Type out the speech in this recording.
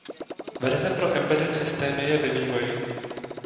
Verze pro embedded systémy je ve vývoji.